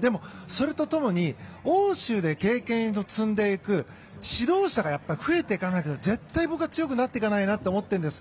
でも、それと共に欧州で経験を積んでいく指導者がやっぱり増えていかないと絶対に僕は強くなっていかないなって思っているんです。